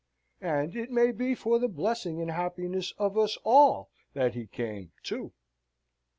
And it may be for the blessing and happiness of us all that he came, too."